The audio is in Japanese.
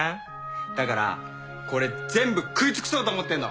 だからこれ全部食い尽くそうと思ってんの！